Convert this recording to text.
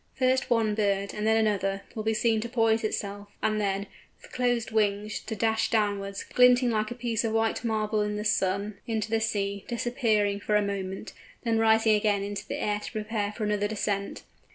First one bird, and then another, will be seen to poise itself, and then, with closed wings, to dash downwards, glinting like a piece of white marble in the sun, into the sea, disappearing for a moment, then rising again into the air to prepare for another descent.